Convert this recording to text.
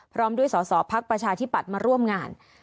พร้อมด้วยสอสอพักประชาธิปัตย์มาร่วมงาน